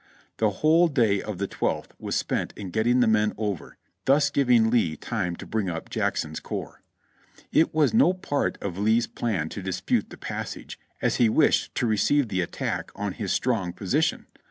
The whole day of the twelfth was spent in getting the men over, thus giving Lee time to bring up Jackson's corps. It was no part of Lee's plan to dispute the passage, as he wished to receive the attack on his strong position.